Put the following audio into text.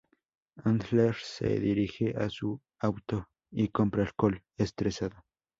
Handler se dirige a su auto, y compra alcohol, estresado.